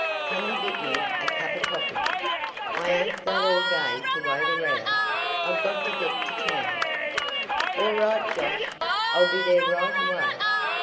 "Come and git me a cup of coffee. I ain't got all day to wait around! I've got to git to town!" "All right, Josh. I'll be there right away.